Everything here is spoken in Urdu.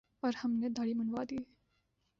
اور ہم نے دھاڑی منڈوادی ۔